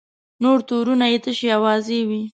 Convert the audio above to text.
نور تورونه یې تشې اوازې وې.